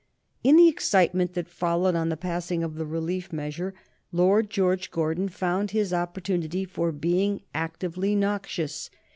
In the excitement that followed on the passing of the relief measure Lord George Gordon found his opportunity for being actively noxious.